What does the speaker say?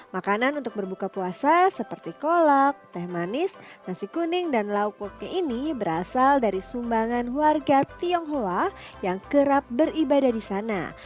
makanan untuk berbuka puasa seperti kolak teh manis nasi kuning dan lauknya ini berasal dari sumbangan warga tionghoa yang kerap beribadah di sana